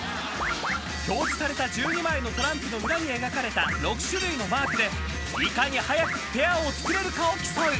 ［表示された１２枚のトランプの裏に描かれた６種類のマークでいかに早くペアを作れるかを競う］